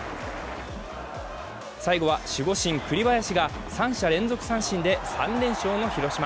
最後は守護神・栗林が三者連続三振で３連勝の広島。